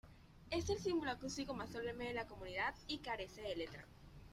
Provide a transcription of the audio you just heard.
Es el símbolo acústico más solemne de la comunidad y carece de letra.